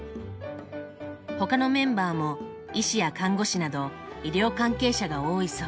他のメンバーも医師や看護師など医療関係者が多いそう。